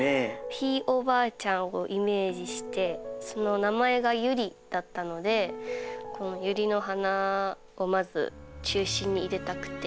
ひいおばあちゃんをイメージしてその名前がユリだったのでこのユリの花をまず中心に入れたくて。